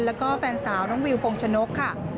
แล้วก็แฟนสาวน้องวิวพงชนกค่ะ